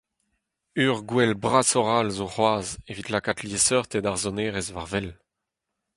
Ur gouel brasoc’h all zo c’hoazh evit lakaat liesseurted ar sonerezh war wel.